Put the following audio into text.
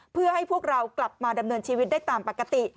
เพื่อให้พวกเรากลับมาดำเนินชีวิตได้ตามปกติ